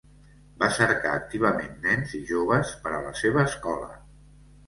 Va cercar activament nens i joves per a la seva escola.